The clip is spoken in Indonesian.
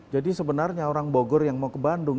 jadi sebenarnya orang bogor yang mau ke bandung